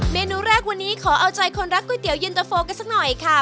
เมนูแรกวันนี้ขอเอาใจคนรักก๋วยเตี๋ยินตะโฟกันสักหน่อยค่ะ